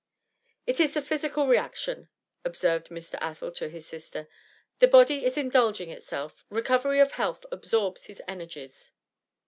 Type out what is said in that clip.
'It is the physical reaction,' observed Mr. Athel to his sister. 'The body is indulging itself; recovery of health absorbs his energies.'